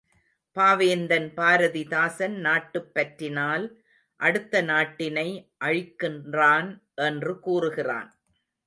பாவேந்தன் பாரதிதாசன் நாட்டுப்பற்றினால் அடுத்த நாட்டினை அழிக்கின்றான் என்று கூறுகிறான்.